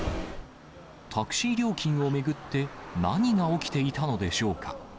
タクシー料金を巡って何が起きていたのでしょうか。